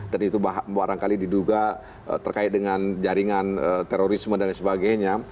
dan itu barangkali diduga terkait dengan jaringan terorisme dan sebagainya